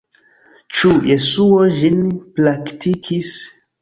Ĉu Jesuo ĝin praktikis?